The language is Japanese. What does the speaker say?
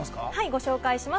ご紹介します。